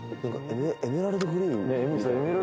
エメラルドグリーン。